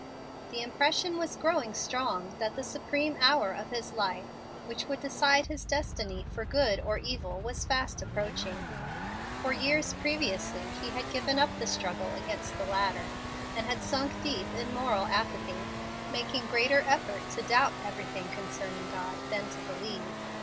The impression was growing strong that the supreme hour of his life, which would decide his destiny for good or evil, was fast approaching. For years previously he had given up the struggle against the latter, and had sunk deep in moral apathy, making greater effort to doubt everything concerning God than to believe.